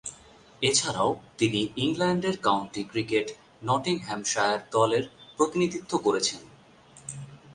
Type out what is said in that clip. এছাড়াও তিনি ইংল্যান্ডের কাউন্টি ক্রিকেটে নটিংহ্যামশায়ার দলে প্রতিনিধিত্ব করছেন।